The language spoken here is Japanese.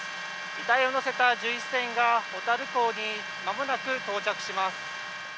遺体を乗せた巡視船が小樽港に間もなく到着します。